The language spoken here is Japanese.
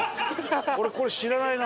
俺これ知らないな。